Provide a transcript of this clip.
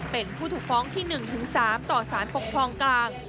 เป็นผู้ถูกฟ้องที่๑๓ต่อสารปกครองกลาง